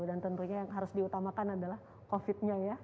dan tentunya yang harus diutamakan adalah covidnya ya